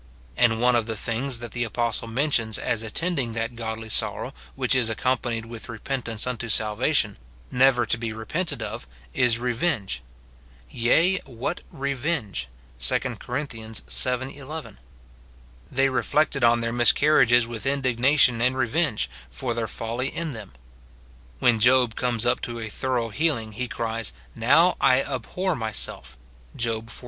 And one of the things that the apostle men tions as attending that godly sorrow which is accompa nied Avith repentance unto salvation, never to be repented of, is revenge: "Yea, what revenge!" 2 Cor. vii. 11. They reflected on their miscarriages with indignation and revenge, for their folly in them. When Job comes up to a thorough healing, he cries, " Now I abhor my self," Job xlii.